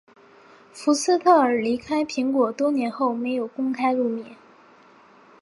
福斯特尔离开苹果多年后没有公开露面。